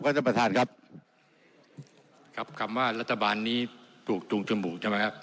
ท่านประธานครับครับคำว่ารัฐบาลนี้ปลูกจูงจมูกใช่ไหมครับ